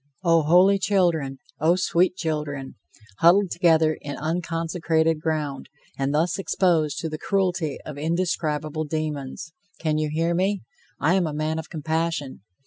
O holy children! O sweet children! huddled together in unconsecrated ground, and thus exposed to the cruelty of indescribable demons! Can you hear me? I am a man of compassion.